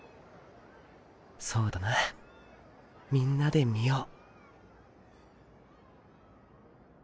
そうだなみんなで見よう。